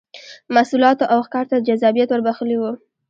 محصولاتو او ښکار ته جذابیت ور بخښلی و